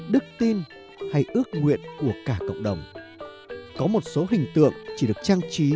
đức tin hay ước nguyện của cả cộng đồng